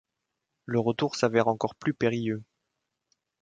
Le retour s'avère encore plus périlleux.